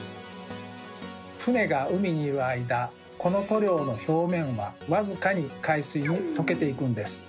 船が海にいる間この塗料の表面は僅かに海水に溶けていくんです。